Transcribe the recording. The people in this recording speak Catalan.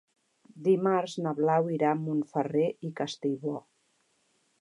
Dimarts na Blau irà a Montferrer i Castellbò.